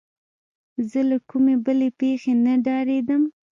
زه له کومې بلې پېښې نه ډارېدم.